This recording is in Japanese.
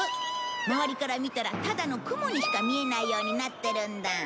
周りから見たらただの雲にしか見えないようになってるんだ。